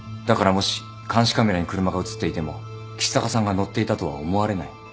だからもし監視カメラに車がうつっていても橘高さんが乗っていたとは思われない。